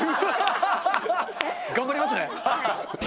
頑張りますね。